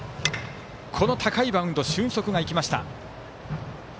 この高いバウンド俊足が生きました。